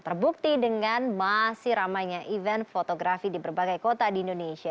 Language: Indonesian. terbukti dengan masih ramainya event fotografi di berbagai kota di indonesia